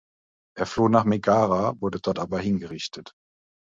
Er floh nach Megara, wurde dort aber hingerichtet.